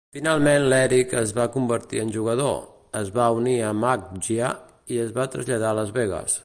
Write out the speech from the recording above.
Finalment l'Eric es va convertir en jugador, es va unir a Maggia i es va traslladar a Las Vegas.